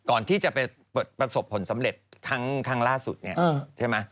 ก่อนที่จะไปประสบผลสำเร็จครั้งล่าสุดเนี่ยใช่ไหม